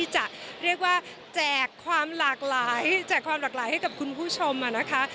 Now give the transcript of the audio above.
จากความหลากหลายให้กับคุณผู้ชมนะคะ